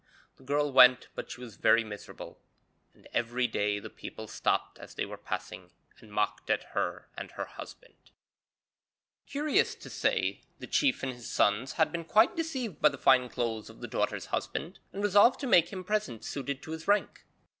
The girl went, but she was very miserable, and every day the people stopped as they were passing, and mocked at her and her husband. Curious to say, the chief and his sons had been quite deceived by the fine clothes of the daughter's husband, and resolved to make him presents suited to his rank.